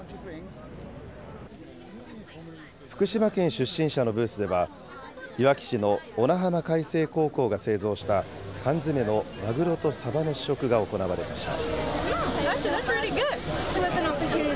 福島県出身者のブースでは、いわき市の小名浜海星高校が製造した、缶詰のマグロとサバの試食が行われました。